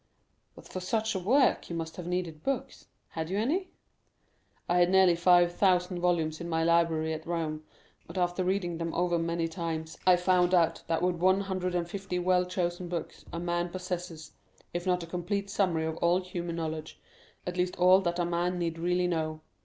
"But for such a work you must have needed books—had you any?" "I had nearly five thousand volumes in my library at Rome; but after reading them over many times, I found out that with one hundred and fifty well chosen books a man possesses, if not a complete summary of all human knowledge, at least all that a man need really know.